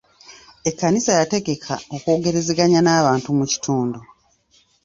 Ekkanisa yategeka okwogerezeganya n'abantu mu kitundu.